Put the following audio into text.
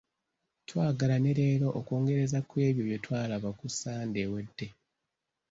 Twagala ne leero okwongereza ku ebyo bye twalaba ku Ssande ewedde.